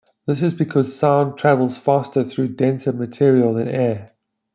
This is because sound travels faster through denser material than air.